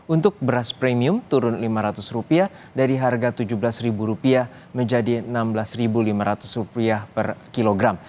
untuk beras premium turun rp lima ratus dari harga rp tujuh belas menjadi rp enam belas lima ratus per kilogram